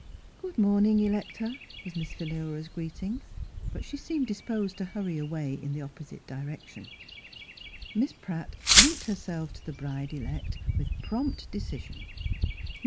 " Good morning, Electa," was Miss Phi lura's greeting. But she seemed disposed to hurry away in the opposite direction. Miss Pratt linked herself to the bride elect with prompt decision.